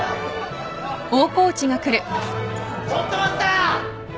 ちょっと待った！